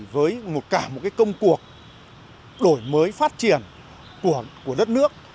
với cả một công cuộc đổi mới phát triển của đất nước